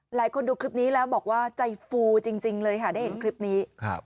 ดูคลิปนี้แล้วบอกว่าใจฟูจริงเลยค่ะได้เห็นคลิปนี้ครับ